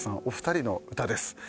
お二人の歌です。